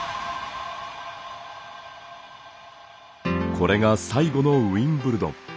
これが最後のウィンブルドン。